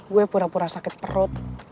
gue pura pura sakit perut